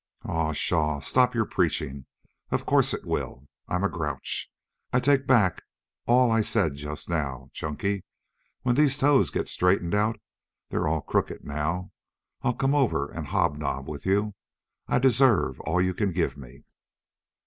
"Oh, pshaw! Stop your preaching. Of course it will. I'm a grouch. I take back all I said just now. Chunky, when these toes get straightened out they're all crooked now I'll come over and hobnob with you. I deserve all you can give me."